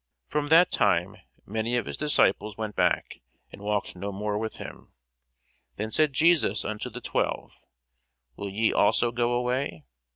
From that time many of his disciples went back, and walked no more with him. Then said Jesus unto the twelve, Will ye also go away?